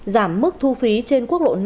giảm mức thu phí trên quốc lộ năm